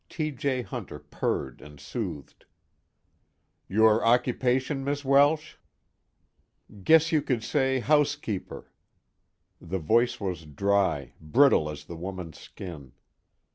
T. J. Hunter purred and soothed. "Your occupation, Miss Welsh?" "Guess you could say housekeeper." The voice was dry, brittle as the woman's skin.